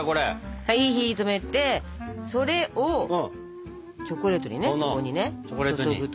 はい火を止めてそれをチョコレートにねそこにね注ぐと。